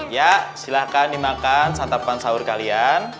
ya silahkan dimakan santapan sahur kalian